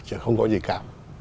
chỉ không có gì cả